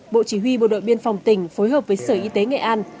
bộ chỉ huy bộ đội biên phòng tỉnh phối hợp với sở y tế nghệ an